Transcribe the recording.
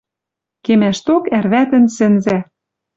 Кемӓшток арвӓтӹн сӹнзӓ